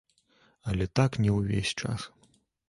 Але так не ўвесь час.